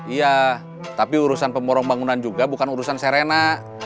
iya tapi urusan pemborong bangunan juga bukan urusan serena